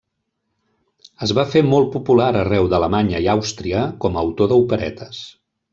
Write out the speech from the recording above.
Es va fer molt popular arreu d'Alemanya i Àustria com a autor d'operetes.